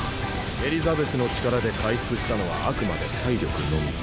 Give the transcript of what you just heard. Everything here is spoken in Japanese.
エリザベスの力で回復したのはあくまで体力のみ。